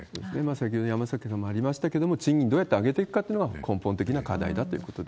先ほど、山崎さんもありましたけれども、賃金、どうやって上げていくかというのが根本的な課題だということです